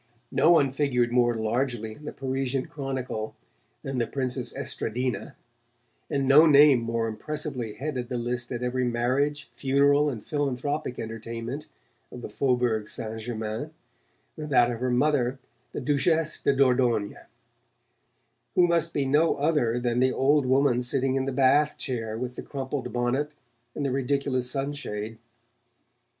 No one figured more largely in the Parisian chronicle than the Princess Estradina, and no name more impressively headed the list at every marriage, funeral and philanthropic entertainment of the Faubourg Saint Germain than that of her mother, the Duchesse de Dordogne, who must be no other than the old woman sitting in the Bath chair with the crumpled bonnet and the ridiculous sunshade.